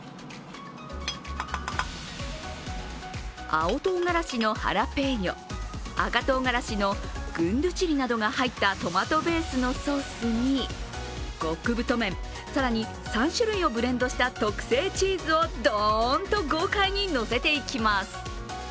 青とうがらしのハラペーニョ赤とうがらしのグンドゥチリなどが入ったトマトベースのソースに極太麺、更に３種類をブレンドした特製チーズをドーンと豪快にのせていきます。